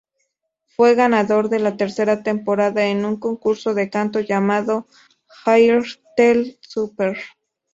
Fue ganador de la tercera temporada en un concurso de canto llamado "Airtel Súper".